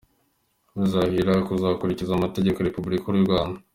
Barahirira kuzakurikiza amategeko ya Republika y’u Rwanda.